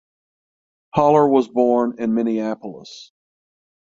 Haller was born in Minneapolis.